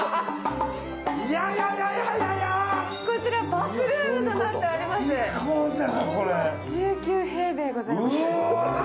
こちら、バスルームとなっております。